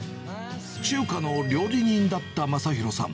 中華の料理人だったまさひろさん。